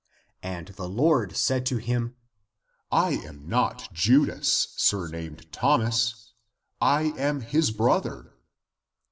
And the Lord said to him, " I am not Judas, sur named Thomas; I am his brother."